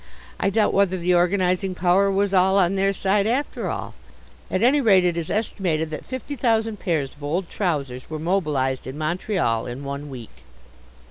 I doubt whether the organizing power was all on their side after all. At any rate it is estimated that fifty thousand pairs of old trousers were mobilized in Montreal in one week.